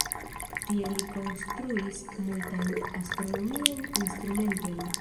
Tie li konstruis multajn astronomiajn instrumentojn.